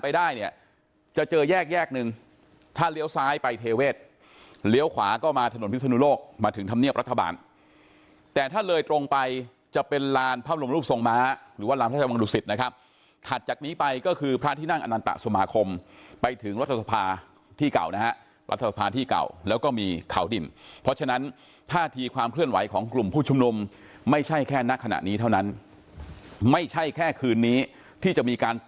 ไปเทเวชเลี้ยวขวาก็มาถนนพิศนุโลกมาถึงธรรมเนียบรัฐบาลแต่ถ้าเลยตรงไปจะเป็นลานพระบลมรูปทรงม้าหรือว่าลำท่าวังดุสิตนะครับถัดจากนี้ไปก็คือพระที่นั่งอานันตสะสมาคมไปถึงรัฐสภาที่เก่านะครับรัฐสภาที่เก่าแล้วก็มีเข่าดินเพราะฉะนั้นภาษาที่ความเคลื่อนไหวของกลุ่มผู้ช